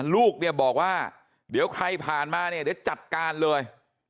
ลูกบอกว่าเดี๋ยวใครผ่านมาเดี๋ยวจัดการเลย